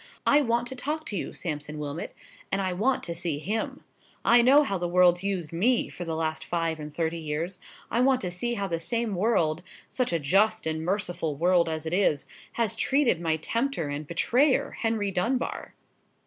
I want to talk to you, Sampson Wilmot. And I want to see him. I know how the world's used me for the last five and thirty years; I want to see how the same world—such a just and merciful world as it is—has treated my tempter and betrayer, Henry Dunbar!"